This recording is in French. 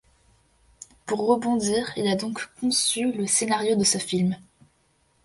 Pour rebondir il a donc conçu le scénario de ce film.